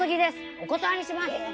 お断りします！